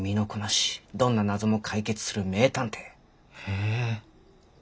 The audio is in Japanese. へえ。